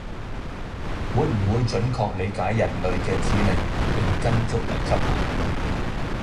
會唔會準確理解人類嘅指令，並跟足嚟執行